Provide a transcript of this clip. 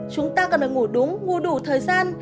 chúng ta cần phải ngủ đúng ngủ đủ thời gian